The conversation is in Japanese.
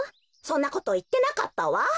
そんなこといってなかったわ。